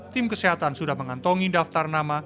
tim kesehatan sudah mengantongi daftar nama